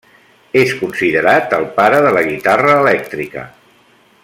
És considerat el pare de la guitarra elèctrica.